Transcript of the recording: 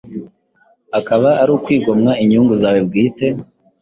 akaba ari ukwigomwa inyungu zawe bwite,